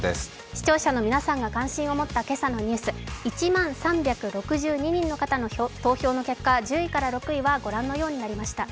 視聴者の皆さんが関心を持った今朝のニュース１万３６２人の方の投票の結果、１０位から６位は御覧のようになりました。